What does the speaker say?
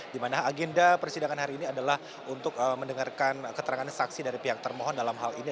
di mana agenda persidangan hari ini adalah untuk mendengarkan keterangan saksi dari pihak termohon dalam hal ini